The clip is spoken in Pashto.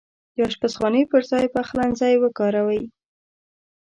د اشپزخانې پرځاي پخلنځای وکاروئ